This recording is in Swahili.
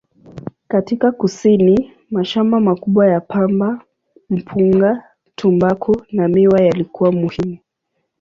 Katika kusini, mashamba makubwa ya pamba, mpunga, tumbaku na miwa yalikuwa muhimu.